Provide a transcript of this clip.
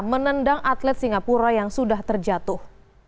menendang atlet singapura yang sudah terjatuh